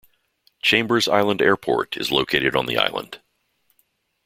Chambers Island Airport is located on the island.